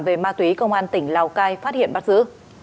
về ma túy công an tỉnh lào cai phát hiện bắt giữ